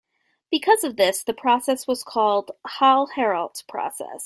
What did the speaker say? Because of this, the process was called the Hall-Heroult process.